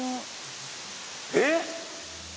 えっ？